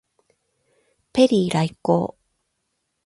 ペリー来航